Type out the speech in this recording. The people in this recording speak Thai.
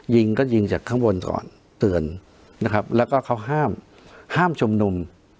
ยิงก็ยิงจากข้างบนก่อนเตือนนะครับแล้วก็เขาห้ามห้ามชุมนุม